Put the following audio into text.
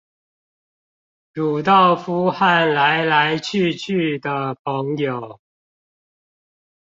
魯道夫和來來去去的朋友